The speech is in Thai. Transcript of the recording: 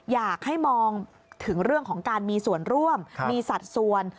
อยากให้มองถึงเรื่องของการมีส่วนร่วมมีสัดส่วน